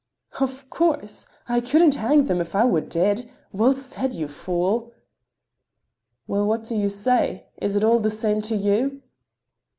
"Of course—I couldn't hang them if I were dead. Well said, you fool!" "Well, what do you say? Is it all the same to you?"